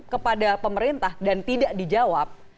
kepada pemerintah dan tidak dijawab